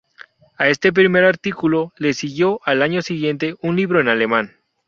A este primer artículo le siguió, al año siguiente, un libro en alemán.